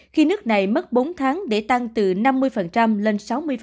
khi nước này mất bốn tháng để tăng từ năm mươi lên sáu mươi